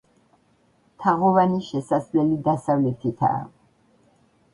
თაღოვანი შესასვლელი დასავლეთითაა.